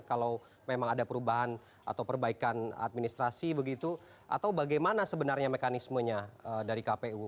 kalau memang ada perubahan atau perbaikan administrasi begitu atau bagaimana sebenarnya mekanismenya dari kpu